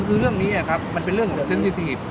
คือเรื่องนี้ครับมันเป็นเรื่องเซ็นยีทีฟ